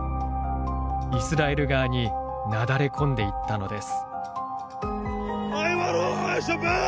イスラエル側になだれ込んでいったのです。